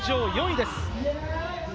４位です。